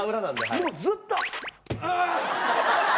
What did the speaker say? もうずっと。